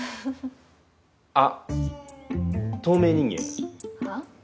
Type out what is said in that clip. あっ透明人間？は？